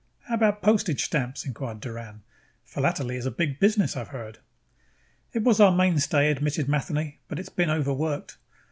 "How about postage stamps?" inquired Doran. "Philately is a big business, I have heard." "It was our mainstay," admitted Matheny, "but it's been overworked.